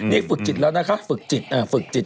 นี่ฝึกจิตแล้วนะคะฝึกจิต